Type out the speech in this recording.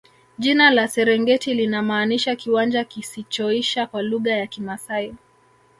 jina la serengeti linamaanisha kiwanja kisichoisha kwa lugha ya kimaasai